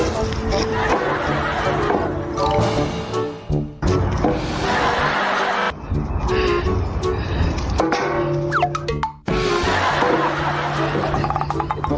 สวัสดีค่ะ